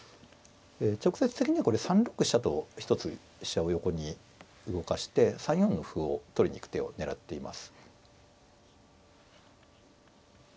直接的にはこれ３六飛車と一つ飛車を横に動かして３四の歩を取りに行く手を狙っています。